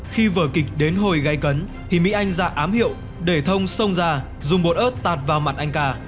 khi vở kịch đến hồi gây cấn thì mỹ anh ra ám hiệu để thông sông ra dùng bột ớt tạt vào mặt anh ca